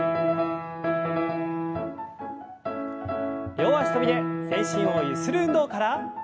両脚跳びで全身をゆする運動から。